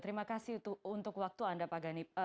terima kasih untuk waktu anda pak ganip